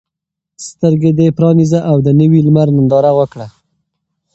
سترګې دې پرانیزه او د نوي لمر ننداره وکړه.